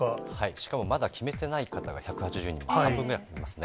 しかもまだ、決めてない方が１８２人、半分ぐらいいますね。